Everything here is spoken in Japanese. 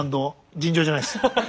尋常じゃないですよ。